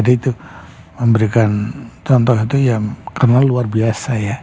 dia memberikan contoh itu yang kenal luar biasa ya